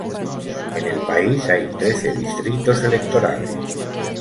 En el país hay trece distritos electorales.